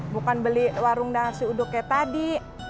bukan beli warung nasi uduknya tadi